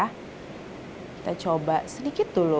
kita coba sedikit dulu